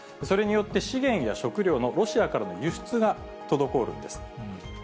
それによって資源や食料のロシアからの輸出が滞るんです。